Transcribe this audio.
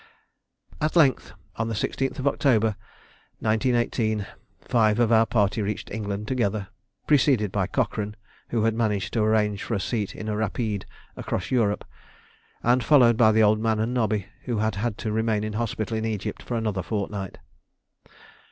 At length, on the 16th October 1918, five of our party reached England together, preceded by Cochrane, who had managed to arrange for a seat in a "Rapide" across Europe, and followed by the Old Man and Nobby, who had had to remain in hospital in Egypt for another fortnight.